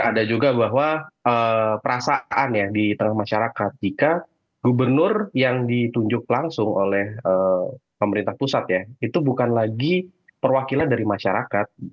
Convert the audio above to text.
ada juga bahwa perasaan ya di tengah masyarakat jika gubernur yang ditunjuk langsung oleh pemerintah pusat ya itu bukan lagi perwakilan dari masyarakat